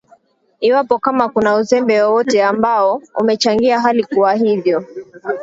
iwapo kama kuna uzembe wowote ambao umechangia hali kuwa hivyo